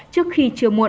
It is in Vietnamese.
trước khi chưa muộn